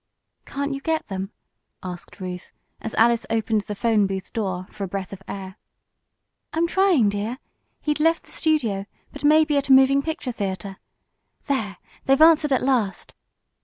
"Can't you get them?" asked Ruth, as Alice opened the 'phone booth door for a breath of air. "I'm trying, dear. He'd left the studio, but may be at a moving picture theater. There, they've answered at last!"